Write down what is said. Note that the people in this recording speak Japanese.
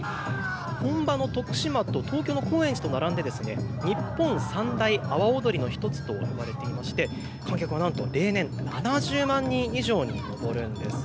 本場の徳島と東京の高円寺と並んで日本三大阿波踊りの１つといわれていまして観客はなんと例年７０万人以上に上るんです。